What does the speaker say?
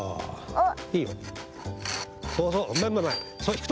あっ。